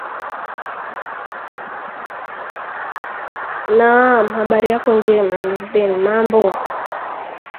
naam habari yako njema tu nurdin mambo